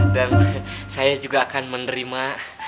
dan saya juga akan menerima